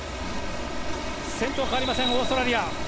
先頭変わりませんオーストラリア。